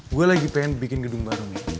gue lagi pengen bikin gedung baru nih